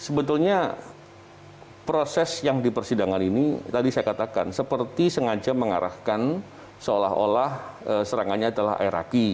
sebetulnya proses yang di persidangan ini tadi saya katakan seperti sengaja mengarahkan seolah olah serangannya adalah air aki